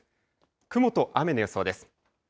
雲と雨の予想です。